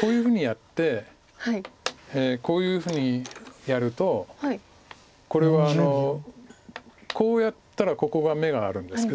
こういうふうにやってこういうふうにやるとこれはこうやったらここが眼があるんですけど。